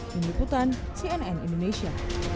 menyiputan cnn indonesia